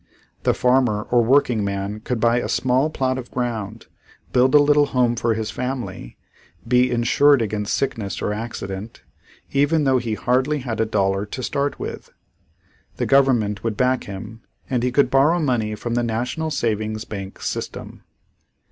The farmer or working man could buy a small plot of ground, build a little home for his family, be insured against sickness or accident, even though he hardly had a dollar to start with. The government would back him and he could borrow money from the national savings bank system.